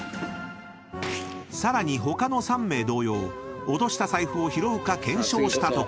［さらに他の３名同様落とした財布を拾うか検証したところ］